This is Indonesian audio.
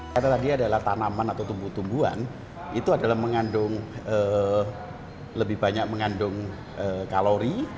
kata tadi adalah tanaman atau tumbuh tumbuhan itu adalah mengandung lebih banyak mengandung kalori